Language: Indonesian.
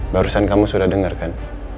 barusan kamu sudah denger kan